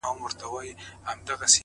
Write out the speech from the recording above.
يه پر ما گرانه ته مي مه هېروه ـ